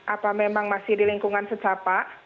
apa memang masih di lingkungan secapa